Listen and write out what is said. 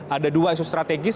ada dua isu strategis